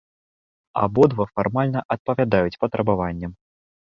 Абодва фармальна адпавядаюць патрабаванням.